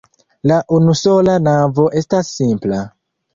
La unusola navo estas simpla.